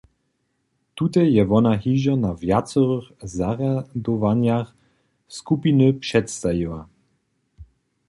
Tute je wona hižo na wjacorych zarjadowanjach skupiny předstajiła.